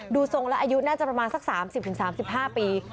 ทรงแล้วอายุน่าจะประมาณสัก๓๐๓๕ปี